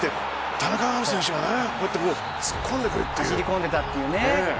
田中碧選手が突っ込んで来るという。